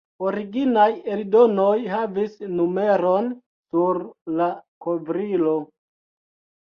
Originaj eldonoj havis numeron sur la kovrilo.